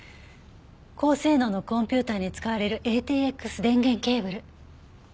高性能のコンピューターに使われるＡＴＸ電源ケーブル。